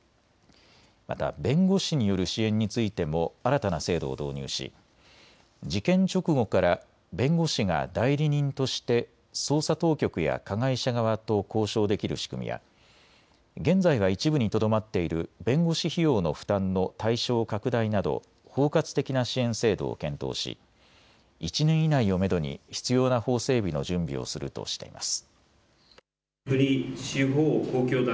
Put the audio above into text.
また弁護士による支援についても新たな制度を導入し事件直後から弁護士が代理人として捜査当局や加害者側と交渉できる仕組みや現在は一部にとどまっている弁護士費用の負担の対象拡大など包括的な支援制度を検討し１年以内をめどに必要な法整備の準備をするとしています。